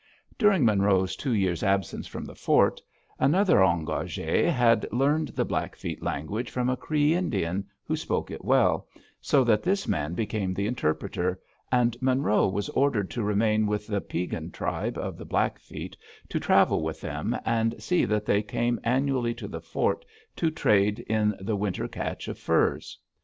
During Monroe's two years' absence from the Fort, another engagé had learned the Blackfeet language from a Cree Indian, who spoke it well, so that this man became the interpreter, and Monroe was ordered to remain with the Piegan tribe of the Blackfeet, to travel with them, and see that they came annually to the Fort to trade in the winter catch of furs.